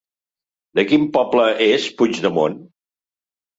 De quin poble és Puigdemont?